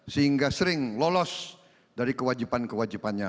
sehingga sering lolos dari kewajipan kewajipannya